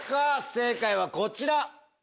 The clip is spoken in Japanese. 正解はこちら！